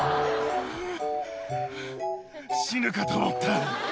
死ぬかと思った。